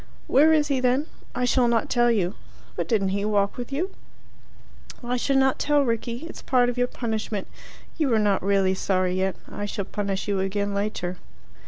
"Where is he, then?" "I shall not tell you." "But didn't he walk with you?" "I shall not tell, Rickie. It's part of your punishment. You are not really sorry yet. I shall punish you again later."